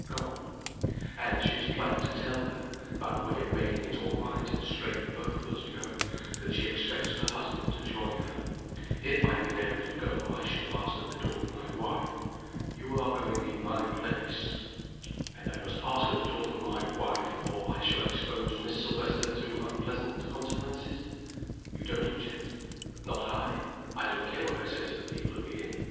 Go on." "And she has planned to tell them (by way of making it all right and straight for both of us, you know) that she expects her husband to join her. If I had been able to go I should have asked at the door for 'my wife.' You are going in my place " "And I must ask at the door for 'my wife,' or I shall expose Miss Silvester to unpleasant consequences?" "You don't object?" "Not I! I don't care what I say to the people of the inn.